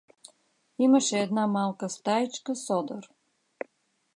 Имаше една малка стаичка с одър.